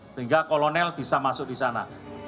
sehingga kolonel bisa masuk di sana